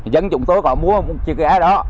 dân chúng tôi có mua một chiếc ghe đó